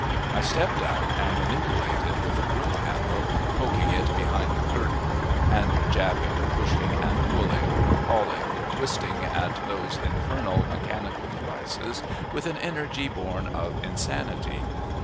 I stepped out and manipulated with a broom handle, poking it behind the curtain and jabbing, pushing, and pulling, hauling, twisting at those infernal mechanical devices with an energy born of insanity.